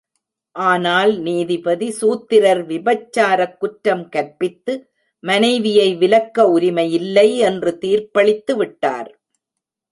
ஆனால் நீதிபதி, சூத்திரர் விபச்சாரக் குற்றம் கற்பித்து மனைவியை விலக்க உரிமையில்லை என்று தீர்ப்பளித்துவிட்டார்.